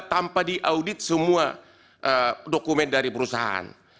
tanpa diaudit semua dokumen dari perusahaan